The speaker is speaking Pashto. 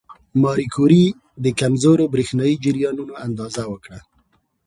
ماري کوري د کمزورو برېښنايي جریانونو اندازه وکړه.